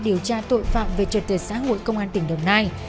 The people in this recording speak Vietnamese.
điều tra tội phạm về trật tự xã hội công an tỉnh đồng nai